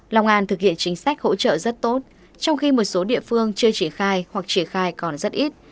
lòng an thực hiện chính sách hỗ trợ rất tốt trong khi một số địa phương chưa triển khai hoặc triển khai còn rất ít